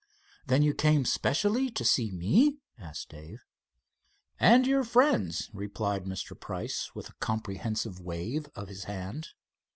"Then you came specially to see me?" asked Dave. "And your friends," replied Mr. Price with a comprehensive wave of his hand.